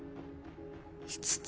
５つ？